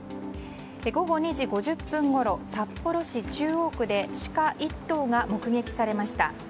午後２時５０分ごろ札幌市中央区でシカ１頭が目撃されました。